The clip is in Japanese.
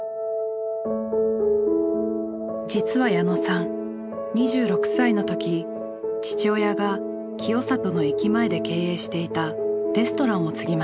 実は矢野さん２６歳の時父親が清里の駅前で経営していたレストランを継ぎました。